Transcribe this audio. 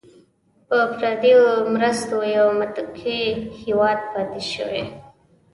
په پردیو مرستو یو متکي هیواد پاتې شوی.